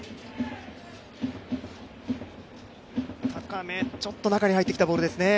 高め、ちょっと中に入ってきたボールですね。